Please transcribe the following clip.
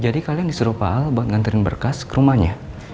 jadi kalian disuruh pak al buat nganterin berkas ke rumahnya